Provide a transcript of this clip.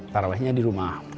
tarawehnya di rumah